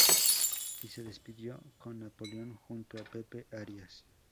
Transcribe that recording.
Y se despidió con "Napoleón" junto a Pepe Arias.